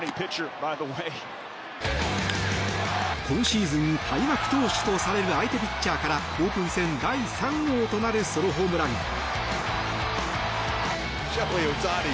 今シーズン開幕投手とされる相手ピッチャーからオープン戦第３号となるソロホームラン。